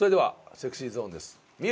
『ＳｅｘｙＺｏｎｅ』